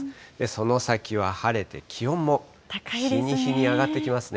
その先は晴れて気温も、日に日に上がってきますね。